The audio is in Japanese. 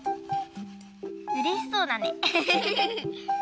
うれしそうだね。